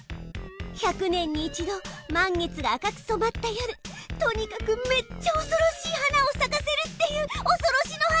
１００年に一度満月が赤く染まった夜とにかくめっちゃおそろしい花をさかせるっていうおそろしの花！